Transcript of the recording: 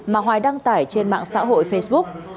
mà hoài đăng tải trên mạng xã hội facebook